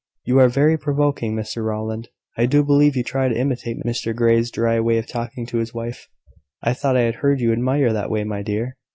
"You are very provoking, Mr Rowland! I do believe you try to imitate Mr Grey's dry way of talking to his wife." "I thought I had heard you admire that way, my dear."